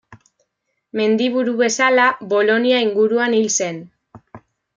Mendiburu bezala, Bolonia inguruan hil zen.